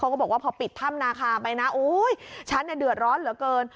เขาก็บอกว่าพอปิดถ้ำนาคาไปนะอุ๊ยชั้นเดือดร้อนเหลือเกิน